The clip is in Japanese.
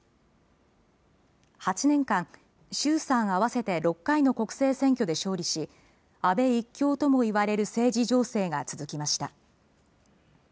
８年間、衆・参合わせて６回の国政選挙で勝利し、安倍１強とも言われる政治情勢が続きました。